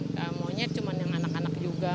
karena monyet cuman yang anak anak juga